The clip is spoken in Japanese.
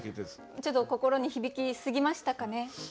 ちょっと心に響きすぎましたかね？